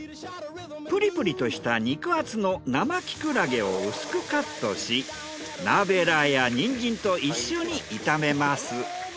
プリプリとした肉厚の生キクラゲを薄くカットしナーベーラーやニンジンと一緒に炒めます。